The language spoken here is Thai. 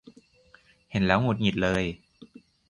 เห็นแล้วหงุดหงิดเลย